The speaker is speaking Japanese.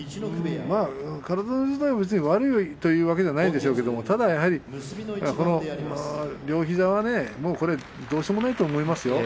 体自体は悪いというわけではないでしょうけれどもやはり両膝はどうしようもないと思いますよ。